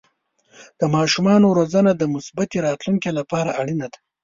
د ماشومانو روزنه د مثبتې راتلونکې لپاره اړینه ده.